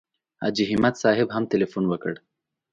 حاجي همت صاحب هم تیلفون وکړ.